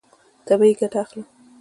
طبیعي ګټه اخله.